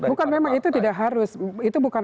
bukan memang itu tidak harus itu bukan